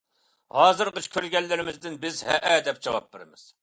ھازىرغىچە كۆرگەنلىرىمىزدىن بىز: «ھەئە! » دەپ جاۋاب بىرىمىز.